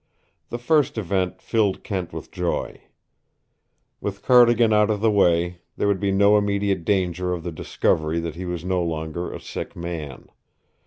The first event filled Kent with joy. With Cardigan out of the way there would be no immediate danger of the discovery that he was no longer a sick man.